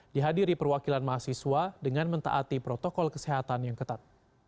dihadiri perwakilan mahasiswa dengan mentaati protokol kesehatan yang ketat